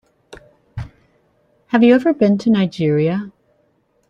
Have you ever been to Nigeria?